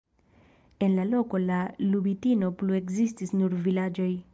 En la loko de Lubitino plu ekzistis nur vilaĝoj.